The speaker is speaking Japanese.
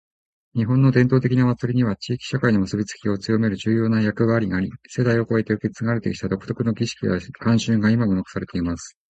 •「日本の伝統的な祭りには、地域社会の結びつきを強める重要な役割があり、世代を超えて受け継がれてきた独特の儀式や慣習が今も残されています。」